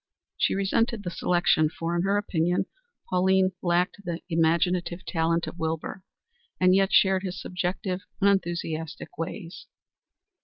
She resented the selection, for, in her opinion, Pauline lacked the imaginative talent of Wilbur, and yet shared his subjective, unenthusiastic ways.